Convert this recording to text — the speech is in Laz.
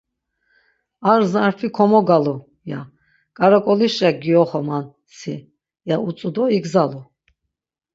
Ar zarfi komogalu, ya; K̆araǩolişa gioxaman si. ya utzu do igzalu.